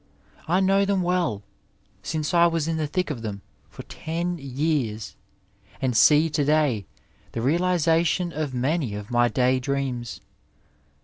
I know them well, since I was in the thick of them for ten years, and see to day, the realization of many of my day dreams.